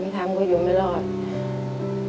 พี่อ้อมคือคนที่สมบูรณ์ที่สุดในครอบครัว